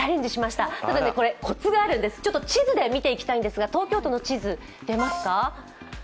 ただこれコツがあるんです、地図で見ていきたいんですが、東京都の地図出ますか。